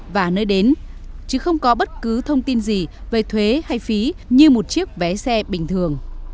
và nơi đến chứ không có bất cứ thông tin gì về thuế hay phí như một chiếc vé xe bình thường